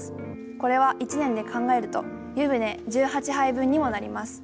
これは１年で考えると湯船１８杯分にもなります。